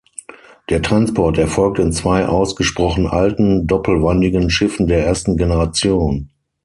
Der Transport erfolgt in zwei ausgesprochen alten, doppelwandigen Schiffen der ersten Generation.